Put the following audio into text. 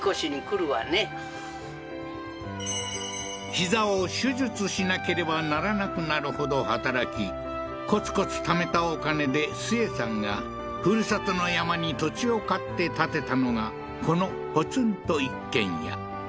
膝を手術しなければならなくなるほど働きコツコツためたお金でスエさんが故郷の山に土地を買って建てたのがこのポツンと一軒家